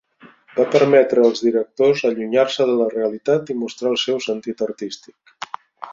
Va permetre als directors allunyar-se de la realitat i mostrar el seu sentit artístic.